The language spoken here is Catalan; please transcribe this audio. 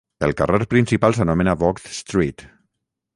El carrer principal s'anomena Vogts Street.